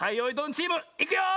チームいくよ！